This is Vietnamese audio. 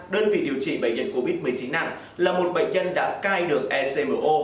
đơn vị điều trị bệnh nhân covid một mươi chín nặng là một bệnh nhân đã cai đường ecmo